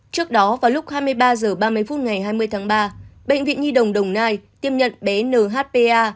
trước đó vào lúc hai mươi ba h ba mươi phút ngày hai mươi tháng ba bệnh viện hiễu nghị đồng nai tiêm nhận bé nhpa